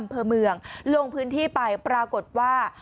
อำเภอเมืองลงพื้นที่ไปปรากฏว่า